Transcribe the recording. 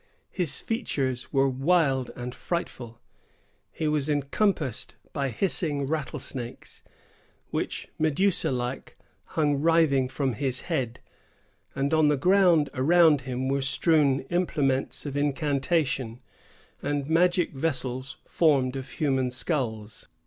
His features were wild and frightful. He was encompassed by hissing rattlesnakes, which, Medusa like, hung writhing from his head; and on the ground around him were strewn implements of incantation, and magic vessels formed of human skulls.